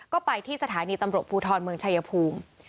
ก็ไปที่สถานีตำรวจภูทรเมืองชายภูมิ